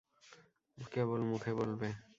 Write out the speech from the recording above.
কেবল মুখে বলবে।